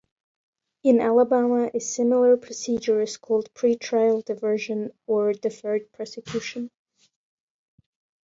In Alabama a similar procedure is called pre-trial diversion or deferred prosecution.